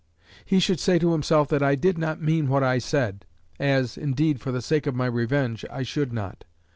He should say to himself that I did not mean what I said as, indeed, for the sake of my revenge, I should not.